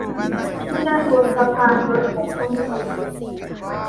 ที่นั่น บนสะพาน รถของคุณถูกหยุด